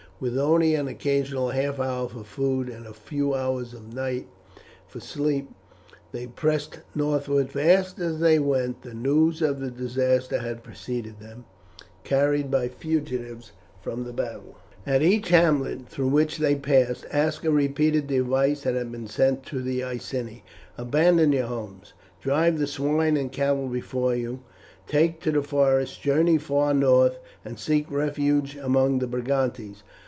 With only an occasional half hour for food and a few hours at night for sleep they pressed northward. Fast as they went the news of the disaster had preceded them, carried by fugitives from the battle. At each hamlet through which they passed, Aska repeated the advice that had been sent to the Iceni. "Abandon your homes, drive the swine and the cattle before you, take to the forests, journey far north, and seek refuge among the Brigantes.